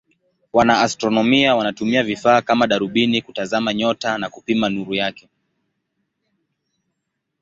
Wanaastronomia wanatumia vifaa kama darubini kutazama nyota na kupima nuru yake.